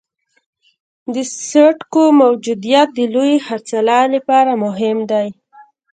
د سټوک موجودیت د لوی خرڅلاو لپاره مهم دی.